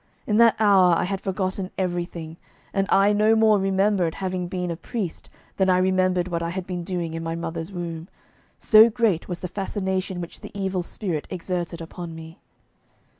In that hour I had forgotten everything, and I no more remembered having ever been a priest than I remembered what I had been doing in my mother's womb, so great was the fascination which the evil spirit exerted upon me.